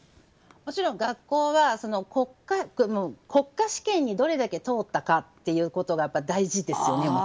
もちろん学校は国家試験にどれだけ通ったかということがもちろん大事ですよね。